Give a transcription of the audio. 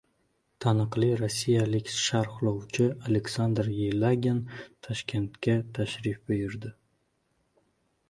Taniqli rossiyalik sharhlovchi Aleksandr Yelagin Toshkentga tashrif buyurdi